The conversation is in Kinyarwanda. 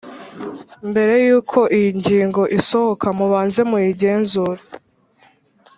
mbere yuko iyi ngingo isohoka mubanze muyigenzure